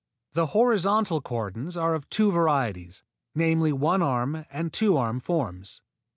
The horizontal cordons are of two varieties, namely one arm and two arm forms.